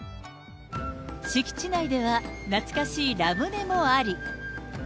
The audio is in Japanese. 敷地内では、懐かしいラムネもあり。